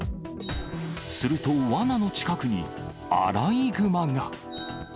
すると、わなの近くにアライグマが。